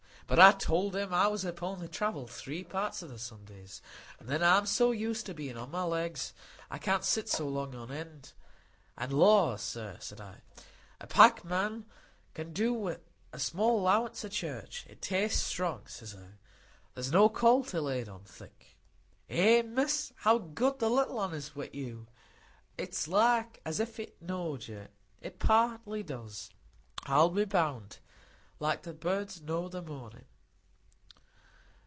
But I told him I was upo' the travel three parts o' the Sundays,—an' then I'm so used to bein' on my legs, I can't sit so long on end,—'an' lors, sir,' says I, 'a packman can do wi' a small 'lowance o' church; it tastes strong,' says I; 'there's no call to lay it on thick.' Eh, Miss, how good the little un is wi' you! It's like as if it knowed you; it partly does, I'll be bound,—like the birds know the mornin'."